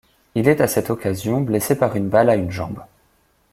Il est à cette occasion blessé par balle à une jambe.